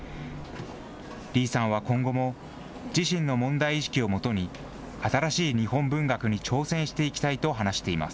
李さんは今後も、自身の問題意識をもとに、新しい日本文学に挑戦していきたいと話しています。